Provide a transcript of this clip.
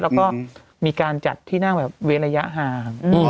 แล้วก็มีการจัดที่นั่งแบบเว้นระยะห่าง